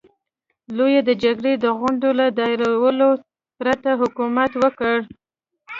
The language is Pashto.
لويي د جرګې د غونډو له دایرولو پرته حکومت وکړ.